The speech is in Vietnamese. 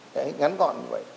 đấy ngắn gọn như vậy